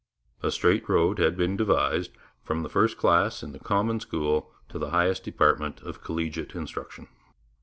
A straight road had been devised from the first class in the common school to the highest department of collegiate instruction.